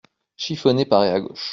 Chiffonnet paraît à gauche.